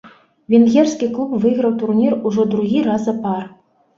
Венгерскі клуб выйграў турнір ужо другі раз запар.